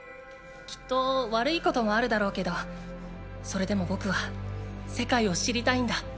きっと悪いこともあるだろうけどそれでも僕は世界を知りたいんだ。